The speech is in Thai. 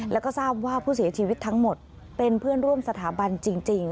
แล้วก็ทราบว่าผู้เสียชีวิตทั้งหมดเป็นเพื่อนร่วมสถาบันจริง